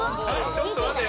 ちょっと待てよ！